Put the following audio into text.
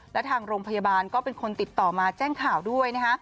และทางโรงพยาบาลก็เป็นคนติดต่อมาแจ้งข่าวด้วยนะคะ